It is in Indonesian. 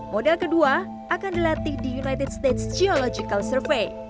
model kedua akan dilatih di united stage geological survey